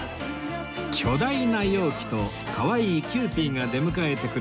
巨大な容器とかわいいキユーピーが出迎えてくれる